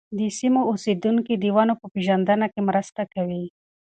د سیمو اوسېدونکي د ونو په پېژندنه کې مرسته کوي.